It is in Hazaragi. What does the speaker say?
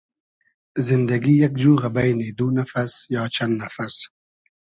زیندئگی یئگ جوغۂ بݷنی دو نئفئس یا چئن نئفئس